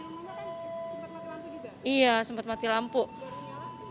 di rumahnya kan sempat mati lampu juga